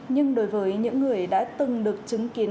nhưng đối với những người đã từng được chứng kiến